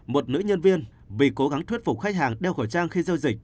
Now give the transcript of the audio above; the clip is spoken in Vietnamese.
một nữ nhân viên vì cố gắng thuyết phục khách hàng đeo khẩu trang khi giao dịch